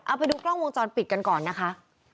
เอาไปดูกล้องวงจรปิดกันก่อนนะคะ